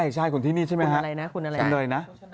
ใช่คนที่นี้ใช่ไหมค่ะ